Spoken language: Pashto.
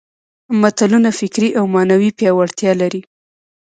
متلونه فکري او معنوي پياوړتیا لري